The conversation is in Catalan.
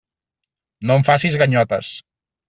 No em facis ganyotes.